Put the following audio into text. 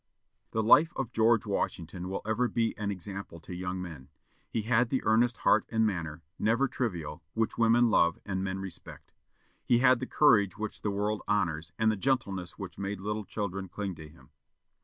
The life of George Washington will ever be an example to young men. He had the earnest heart and manner never trivial which women love, and men respect. He had the courage which the world honors, and the gentleness which made little children cling to him.